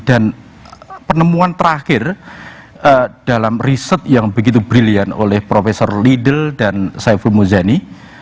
dan penemuan terakhir dalam riset yang begitu brilliant oleh profesor lidl dan saiful muzani